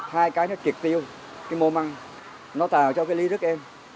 hai cái nó kiệt tiêu cái mô măng nó tào cho cái ly rất êm